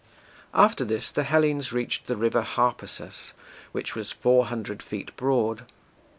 After this the Hellenes reached the river Harpasus, which was four hundred feet broad.